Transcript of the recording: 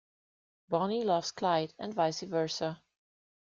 Bonnie loves Clyde and vice versa.